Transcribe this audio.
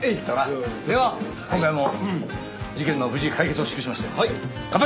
では今回も事件の無事解決を祝しまして乾杯！